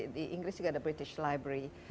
di inggris juga ada british libray